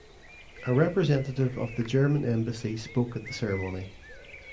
A representative of the German embassy spoke at the ceremony.